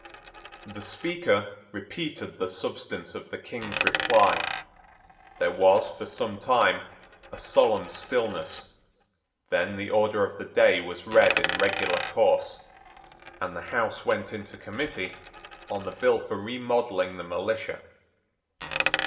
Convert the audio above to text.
The Speaker repeated the substance of the King's reply. There was, for some time, a solemn stillness; then the order of the day was read in regular course; and the House went into committee on the bill for remodelling the militia.